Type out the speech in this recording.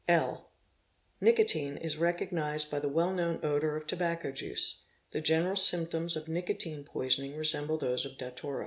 (1) Nicotine is recognised by the well known odour of tobacco juic The general symptoms of nicotine poisoning resemble those of datura.